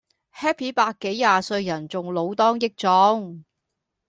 Happy 伯幾廿歲人仲老當益壯